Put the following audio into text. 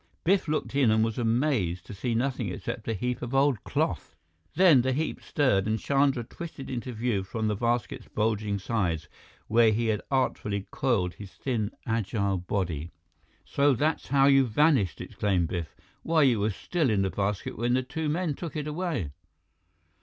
Biff looked in and was amazed to see nothing except a heap of old cloth. Then, the heap stirred, and Chandra twisted into view from the basket's bulging sides where he had artfully coiled his thin, agile body. "So that's how you vanished!" exclaimed Biff. "Why, you were still in the basket when the two men took it away!"